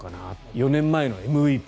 ４年前のＭＶＰ。